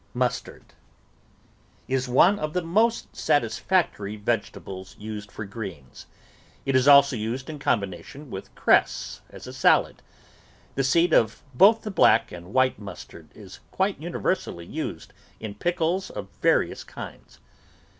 MUSTARD Is one of the most satisfactory vegetables used for greens. It is also used in combination with cress THE VEGETABLE GARDEN as a salad. The seed of both the black and white mustard is quite universally used in pickles of various kinds.